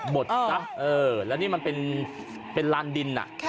บดนะเออแล้วนี่มันเป็นรานดินน่ะ